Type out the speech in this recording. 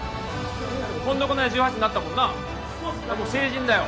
この間１８になったもんなもう成人だよ・